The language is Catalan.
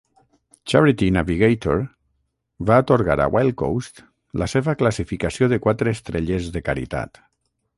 Charity Navigator va atorgar a Wildcoast la seva classificació de quatre estrelles de caritat.